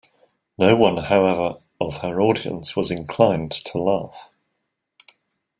No one, however, of her audience was inclined to laugh.